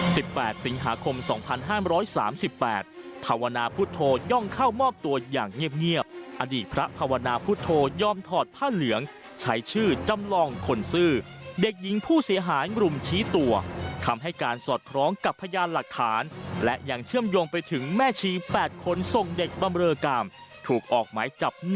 แปดสิงหาคมสองพันห้ามร้อยสามสิบแปดภาวนาพุทธโธย่องเข้ามอบตัวอย่างเงียบเงียบอดีตพระภาวนาพุทธโธยอมถอดผ้าเหลืองใช้ชื่อจำลองคนซื่อเด็กหญิงผู้เสียหายรุมชี้ตัวคำให้การสอดคล้องกับพยานหลักฐานและยังเชื่อมโยงไปถึงแม่ชีแปดคนส่งเด็กบำเรอกรรมถูกออกหมายจับ